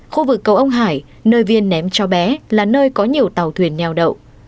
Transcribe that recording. khu vực cầu ông hải nơi viên ném cho bé là nơi có nhiều tàu thuyền neo đậu